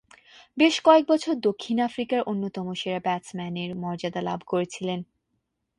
বেশ কয়েক বছর দক্ষিণ আফ্রিকার অন্যতম সেরা ব্যাটসম্যানের মর্যাদা লাভ করেছিলেন।